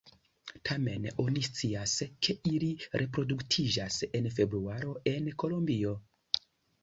Tamen oni scias, ke ili reproduktiĝas en februaro en Kolombio.